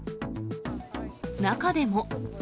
中でも。